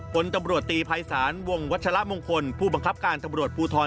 ผลตำรวจตีภัยศาลวงวัชละมงคลผู้บังคับการตำรวจภูทร